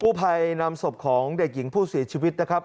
ผู้ภัยนำศพของเด็กหญิงผู้เสียชีวิตนะครับ